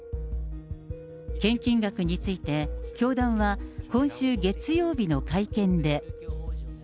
献金額について教団は今週月曜日の会見で。